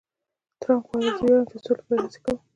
ټرمپ وویل، زه ویاړم چې د سولې لپاره هڅې کوم.